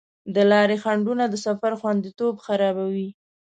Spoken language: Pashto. د لارې خنډونه د سفر خوندیتوب خرابوي.